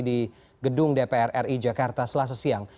di gedung dpr ri jakarta selasa siang